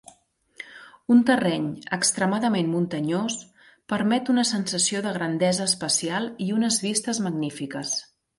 Un terreny extremadament muntanyós permet una sensació de grandesa espacial i unes vistes magnífiques.